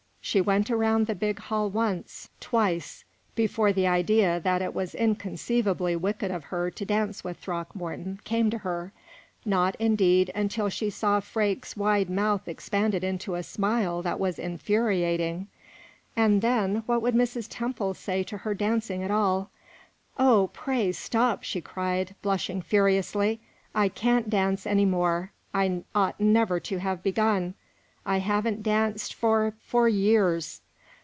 She went around the big hall once twice before the idea that it was inconceivably wicked of her to dance with Throckmorton came to her; not, indeed, until she saw Freke's wide mouth expanded into a smile that was infuriating. And then, what would Mrs. Temple say to her dancing at all? "Oh, pray, stop!" she cried, blushing furiously. "I can't dance any more; I ought never to have begun. I haven't danced for for years."